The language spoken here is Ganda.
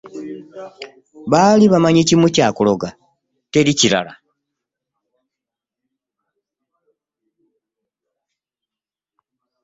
Bali bamanyi kimu kya kuloga teri kirala.